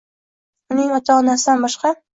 Uning ota-onasidan boshqa.